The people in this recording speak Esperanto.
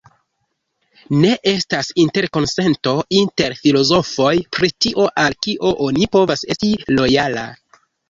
Ne estas interkonsento inter filozofoj pri tio al kio oni povas esti lojala.